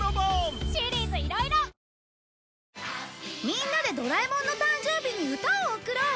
みんなでドラえもんの誕生日に歌を贈ろう！